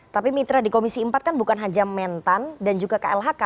tapi mitra di komisi empat kan bukan hanya mentan dan juga klhk